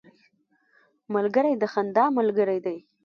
ملګری د خندا ملګری دی